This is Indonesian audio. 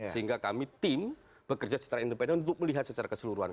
sehingga kami tim bekerja secara independen untuk melihat secara keseluruhan